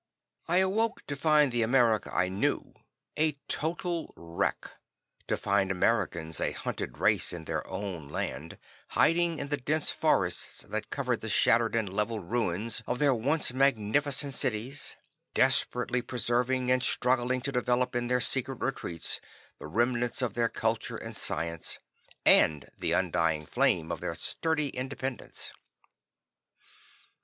I awoke to find the America I knew a total wreck to find Americans a hunted race in their own land, hiding in the dense forests that covered the shattered and leveled ruins of their once magnificent cities, desperately preserving, and struggling to develop in their secret retreats, the remnants of their culture and science and the undying flame of their sturdy independence.